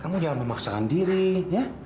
kamu jangan memaksakan diri ya